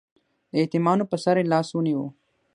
د یتیمانو په سر یې لاس ونیو.